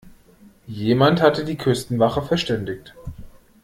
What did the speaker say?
Jemand hatte die Küstenwache verständigt.